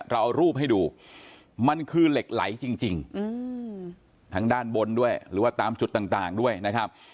เราเอารูปให้ดูมันคือเหล็กไหลจริงทางด้านบนด้วยหรือว่าตามจุดต่างด้วยนะครับ